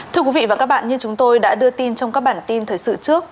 thưa quý vị và các bạn như chúng tôi đã đưa tin trong các bản tin thời sự trước